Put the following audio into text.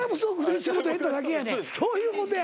そういうことや。